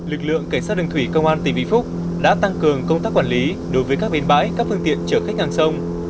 lực lượng cảnh sát đường thủy công an tỉnh bình phước đã tăng cường công tác quản lý đối với các bến bãi các phương tiện chở khách ngang sông